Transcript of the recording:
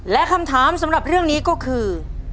และคำถามสำหรับเรื่องนี้ก็คือ